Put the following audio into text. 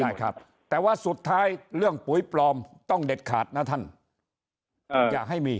ใช่ครับแต่ว่าสุดท้ายเรื่องปุ๋ยปลอมต้องเด็ดขาดนะท่านอย่าให้มี